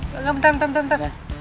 bentar bentar bentar